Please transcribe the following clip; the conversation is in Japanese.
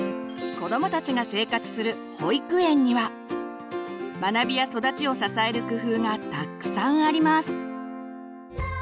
子どもたちが生活する保育園には学びや育ちを支える工夫がたくさんあります。